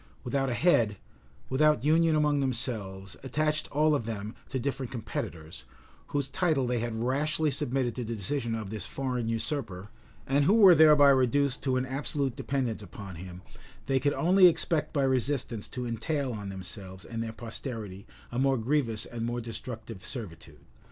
Without a head, without union among themselves, attached all of them to different competitors, whose title they had rashly submitted to the decision of this foreign usurper, and who were thereby reduced to an absolute dependence upon him, they could only expect by resistance to entail on themselves and their posterity a more grievous and more destructive servitude.